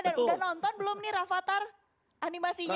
dan udah nonton belum nih rafathar animasinya